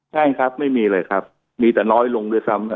ใช่ครับไม่มีเลยครับมีแต่น้อยลงด้วยซ้ำ